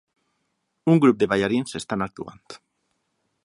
Un grup de ballarins estan actuant